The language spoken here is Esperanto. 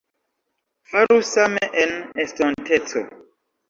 Faru same en estonteco!